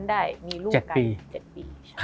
ได้มีลูกกัน๗ปี